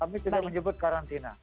kami tidak menyebut karantina